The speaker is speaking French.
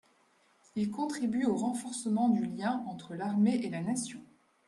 Il contribue au renforcement du lien entre l’armée et la Nation.